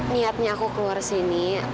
niatnya aku keluar sini